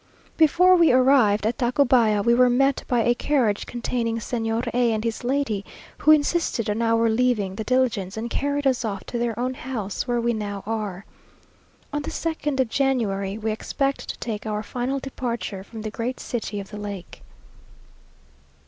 Before we arrived at Tacubaya, we were met by a carriage containing Señor A and his lady, who insisted on our leaving the diligence; and carried us off to their own house, where we now are. On the second of January we expect to take our final departure from the "great city of the lake."